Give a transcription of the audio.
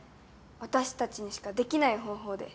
私たちにしかできない方法で。